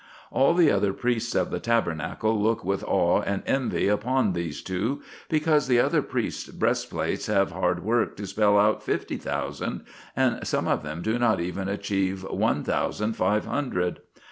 All the other priests of the Tabernacle look with awe and envy upon these two, because the other priests' breastplates have hard work to spell out fifty thousand, and some of them do not even achieve one thousand five hundred.